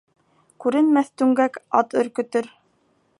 Күренмәҫ түңгәк ат өркөтөр.